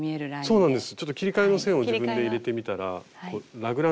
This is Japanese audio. そうなんです。